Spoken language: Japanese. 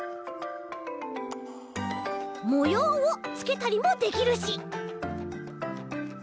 もようをつけたりもできるし。